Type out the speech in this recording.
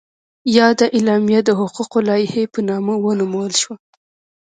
یاده اعلامیه د حقوقو لایحه په نامه ونومول شوه.